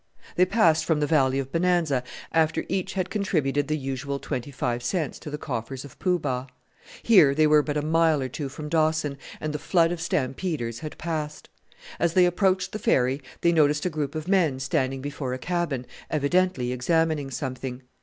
They passed from the Valley of Bonanza, after each had contributed the usual twenty five cents to the coffers of Poo Bah. Here they were but a mile or two from Dawson, and the flood of stampeders had passed. As they approached the ferry they noticed a group of men standing before a cabin, evidently examining something.